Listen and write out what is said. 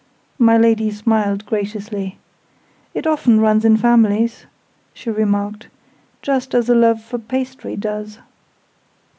My Lady smiled graciously. "It often runs in families," she remarked: "just as a love for pastry does."